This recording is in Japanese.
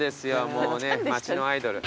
もうね町のアイドル。